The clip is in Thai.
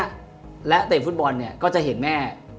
อเจมส์ก็จะเห็นแม่